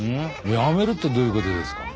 辞めるってどういう事ですか。